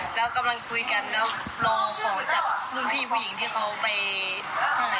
แล้วกำลังคุยกันแล้วรอขอจากรุ่นพี่ผู้หญิงที่เขาไปอ่า